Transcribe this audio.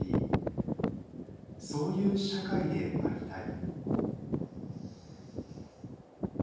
そういう社会でありたい」。